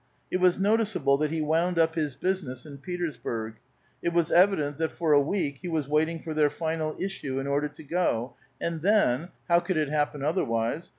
It was noticeable that he wound up his business in Petersburg ; it was evident that for a week he was waiting for their final issue in order to go, and tlien — how could it happen other wise?